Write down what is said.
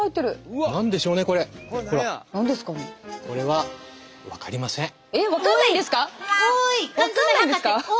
わかんないんですか？